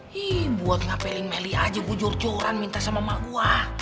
hii buat ngapelin melly aja gua jorjoran minta sama emak gua